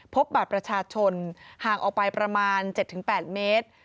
พบบัตรประชาชนห่างออกไปประมาณ๗๘เมตร